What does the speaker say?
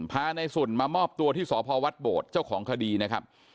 พาในสุนมามอบตัวที่สพวัดโบดเจ้าของคดีนะครับ